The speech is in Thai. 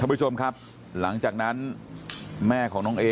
ลูกสาวหลายครั้งแล้วว่าไม่ได้คุยกับแจ๊บเลยลองฟังนะคะ